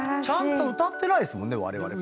ちゃんと歌ってないですもんね。